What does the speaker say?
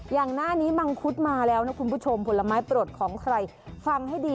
อย่างหน้านี้มังคุดมาแล้วนะคุณผู้ชมผลไม้ปลดของใครฟังให้ดี